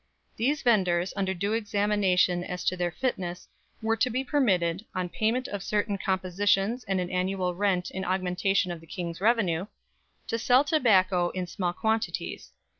These vendors, after due examination as to their fitness, were to be permitted, on payment of certain compositions and an annual rent in augmentation of the King's revenue, to sell tobacco in small quantities.